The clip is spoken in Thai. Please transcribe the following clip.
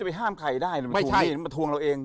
ไปทวงเราเอง